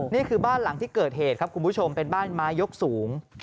นี่คือบ้านหลังที่เกิดเหตุครับคุณผู้ชมเป็นบ้านไม้ยกสูง